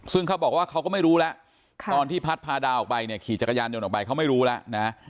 ซึ่งเขาบอกว่าเขาก็ไม่รู้แล้วตอนที่พัดพาดาวออกไปเนี่ยขี่จักรยานยนต์ออกไปเขาไม่รู้แล้วนะ